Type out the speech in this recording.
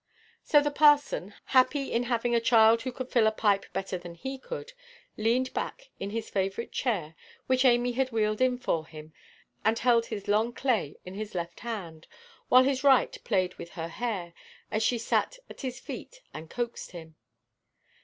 So the parson, happy in having a child who could fill a pipe better than he could, leaned back in his favourite chair, which Amy had wheeled in for him, and held his long clay in his left hand, while his right played with her hair, as she sat at his feet, and coaxed him.